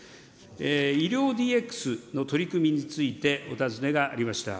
医療ＤＸの取り組みについてお尋ねがありました。